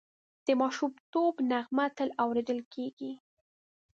د ماشومتوب نغمه تل اورېدل کېږي